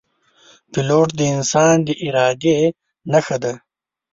پیلوټ د انسان د ارادې نښه ده.